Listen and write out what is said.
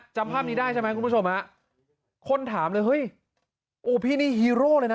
จำภาพนี้ได้ใช่ไหมคุณผู้ชมฮะคนถามเลยเฮ้ยโอ้พี่นี่ฮีโร่เลยนะ